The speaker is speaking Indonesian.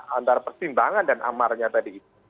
antara pertimbangan dan amarnya tadi itu